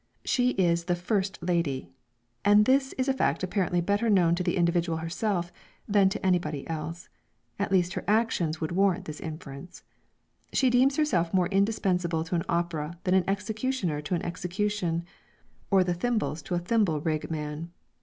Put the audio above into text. She is the first lady, and this is a fact apparently better known to the individual herself, than to any body else at least her actions would warrant this inference. She deems herself more indispensable to an opera than an executioner to an execution, or the thimbles to a thimble rig man.